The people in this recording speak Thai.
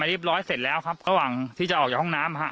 เรียบร้อยเสร็จแล้วครับระหว่างที่จะออกจากห้องน้ำฮะ